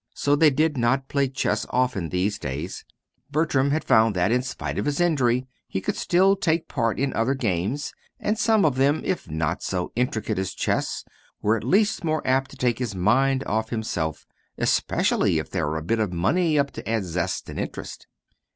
So they did not play chess often these days. Bertram had found that, in spite of his injury, he could still take part in other games, and some of them, if not so intricate as chess, were at least more apt to take his mind off himself, especially if there were a bit of money up to add zest and interest.